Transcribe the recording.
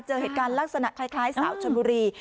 เจอเหตุการณ์ลักษณะคล้ายสาวชนบุรี